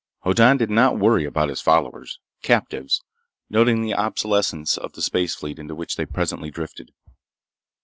VIII Hoddan did not worry about his followers—captives—noting the obsolescence of the space fleet into which they presently drifted.